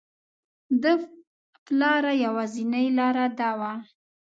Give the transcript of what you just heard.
ده لپاره یوازینی لاره دا وه.